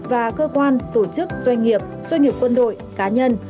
và cơ quan tổ chức doanh nghiệp doanh nghiệp quân đội cá nhân